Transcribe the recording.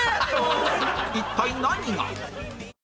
一体何が？